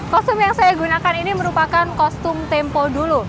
kostum yang saya gunakan ini merupakan kostum tempo dulu